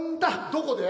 どこで？